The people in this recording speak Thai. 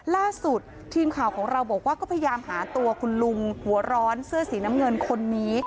ล่าสุดทีมข่าวของเราบอกว่าก็พยายามหาตัวคุณลุงหัวร้อนเสื้อสีน้ำเงินคนนี้